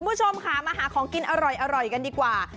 คุณผู้ชมค่ะมาหาของกินอร่อยกันดีกว่า